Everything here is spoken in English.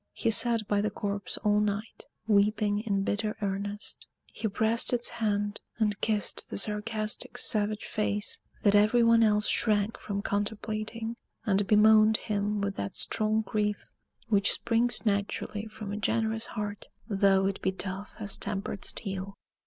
He sat by the corpse all night, weeping in bitter earnest. He pressed its hand, and kissed the sarcastic, savage face that every one else shrank from contemplating; and bemoaned him with that strong grief which springs naturally from a generous heart, though it be tough as tempered steel.